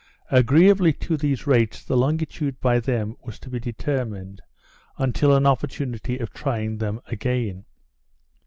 Agreeably to these rates the longitude by them was to be determined, until an opportunity of trying them again.